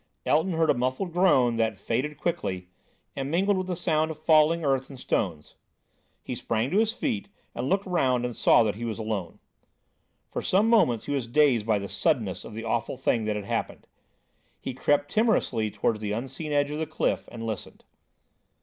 Elton heard a muffled groan that faded quickly, and mingled with the sound of falling earth and stones. He sprang to his feet and looked round and saw that he was alone. For some moments he was dazed by the suddenness of the awful thing that had happened. He crept timorously towards the unseen edge of the cliff, and listened.